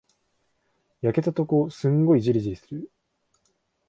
焼けたとこ、すんごいじりじりする。